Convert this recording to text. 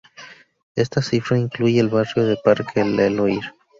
Esta cifra incluye el barrio de Parque Leloir.